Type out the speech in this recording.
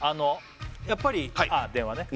やっぱりああ電話ね